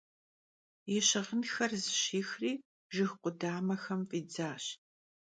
Yi şığınxer zışixri jjıg khudamexem f'idzaş.